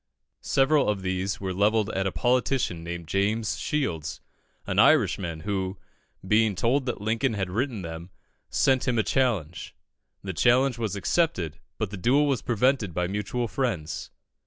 Several of these were levelled at a politician named James Shields, an Irishman, who, being told that Lincoln had written them, sent him a challenge. The challenge was accepted, but the duel was prevented by mutual friends.